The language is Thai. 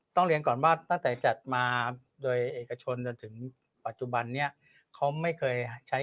เรียนก่อนว่าตั้งแต่จัดมาโดยเอกชนจนถึงปัจจุบันนี้เขาไม่เคยใช้